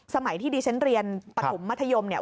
สมัยที่ดิฉันเรียนปฐมมัธยมเนี่ย